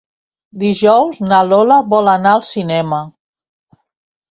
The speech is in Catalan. Dijous na Lola vol anar al cinema.